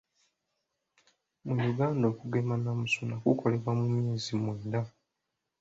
Mu Uganda okugema namusuna kukolebwa ku myezi mwenda.